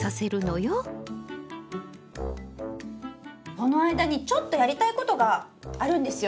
この間にちょっとやりたいことがあるんですよ。